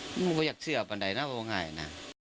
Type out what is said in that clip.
มันก็บอกอยากเชื่อบันไดนะบอกง่ายนะ